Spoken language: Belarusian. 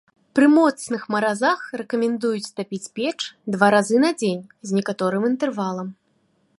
Пры моцных маразах рэкамендуюць тапіць печ два разы на дзень з некаторым інтэрвалам.